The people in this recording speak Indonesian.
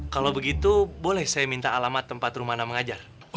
kalau begitu boleh saya minta alamat tempat rumah mengajar